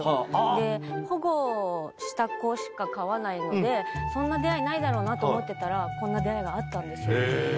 で保護した子しか飼わないのでそんな出合いないだろうなと思ってたらこんな出合いがあったんですよ。